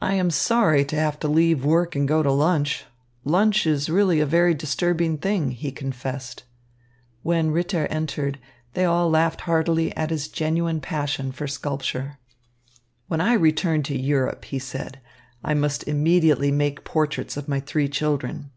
"I am sorry to have to leave work and go to lunch. Lunch is really a very disturbing thing," he confessed. When Ritter entered, they all laughed heartily at his genuine passion for sculpture. "When I return to Europe," he said, "I must immediately make portraits of my three children."